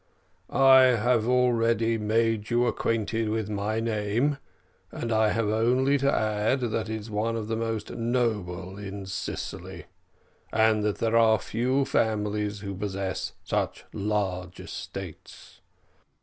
"I have already made you acquainted with my name, and I have only to add, that it is one of the most noble in Sicily, and that there are few families who possess such large estates.